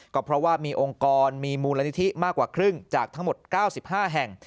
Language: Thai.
ก็เพราะว่ามีองค์กรมีมูลนิธิมากกว่าครึ่งจากทั้งหมด๙๕แห่ง